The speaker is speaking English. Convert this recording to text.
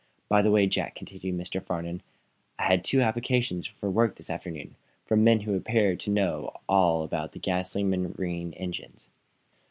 "By the way, Jack," continued Mr. Farnum, "I had two applications for work this afternoon, from men who appear to know all about gasoline marine engines.